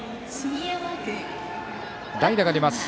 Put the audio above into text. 代打が出ます。